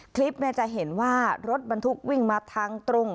คลิปจะเห็นว่ารถบรรทุกวิ่งมาทางตรง